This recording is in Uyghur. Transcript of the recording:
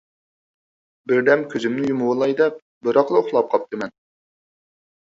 بىردەم كۆزۈمنى يۇمۇۋالاي دەپ، بىراقلا ئۇخلاپ قاپتىمەن.